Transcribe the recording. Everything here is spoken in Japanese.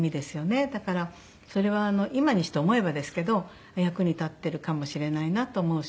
だからそれは今にして思えばですけど役に立ってるかもしれないなと思うし。